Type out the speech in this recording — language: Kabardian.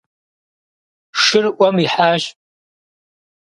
Шыр ӏуэм ихьащ.